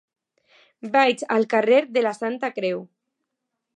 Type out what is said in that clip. Vaig al carrer de la Santa Creu.